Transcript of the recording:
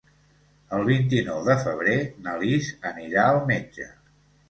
El vint-i-nou de febrer na Lis anirà al metge.